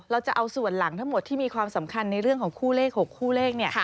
เราจะเอาส่วนหลังทั้งหมดที่มีความสำคัญในเรื่องของคู่เลข๖คู่เลข